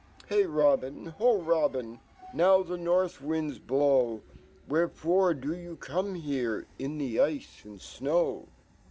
Hey, Robin! ho, Robin! NOW fhe north wind j blow; \Vherefore do you come here In fho ice and jnow